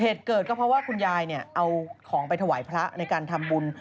เหตุเกิดก็เพราะว่าคุณยายเอาของไปถวายพระในการทำบุญ